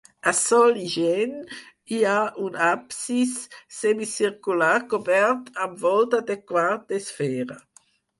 A sol ixent hi ha un absis semicircular cobert amb volta de quart d'esfera.